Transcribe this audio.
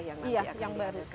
iya yang baru